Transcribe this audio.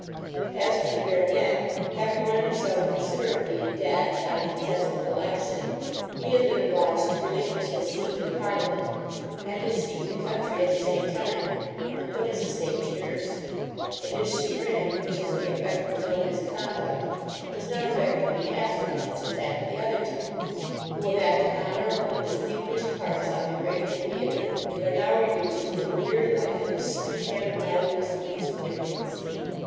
As for the baronet, having run himself considerably in debt, on a contested election, he has been obliged to relinquish his seat in parliament, and his seat in the country at the same time, and put his estate to nurse; but his chagrin, which is the effect of his own misconduct, does not affect me half so much as that of the other two, who have acted honourable and distinguished parts on the great theatre, and are now reduced to lead a weary life in this stew pan of idleness and insignificance.